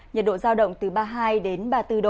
nhiệt độ giao động từ ba mươi hai đến ba mươi bốn độ